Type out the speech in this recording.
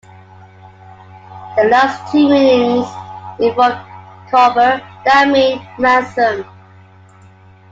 The last two meanings involve "kofer" that mean "ransom".